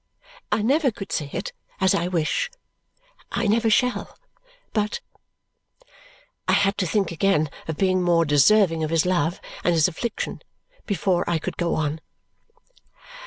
I never could say it as I wish I never shall but " I had to think again of being more deserving of his love and his affliction before I could go on.